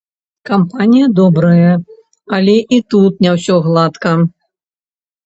Кампанія добрая, але і тут не ўсё гладка.